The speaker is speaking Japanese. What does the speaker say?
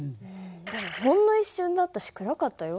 でもほんの一瞬だったし暗かったよ。